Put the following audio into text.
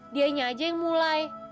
dianya aja yang mulai